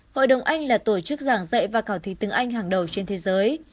hội đồng anh là tổ chức giảng dạy và cảo thí tiếng anh hàng đầu trên thế giới